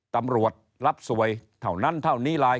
ตำรวจรับสวยเท่านั้นเท่านี้ลาย